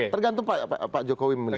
tergantung pak jokowi memilih